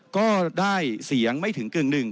ก็ได้เสียงไม่ถึงกึ่งหนึ่ง